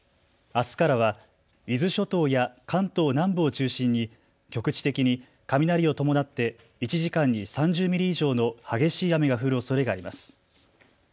あすからは伊豆諸島や関東南部を中心に局地的に雷を伴って１時間に３０ミリ以上の激しい雨が降るおそれがあります。